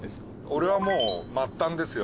俺はもう末端ですよ。